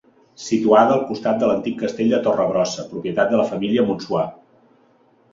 Situada al costat de l'antic castell de Torregrossa, propietat de la família Montsuar.